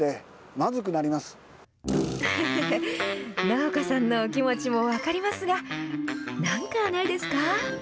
農家さんのお気持ちも分かりますが、なんかないですか。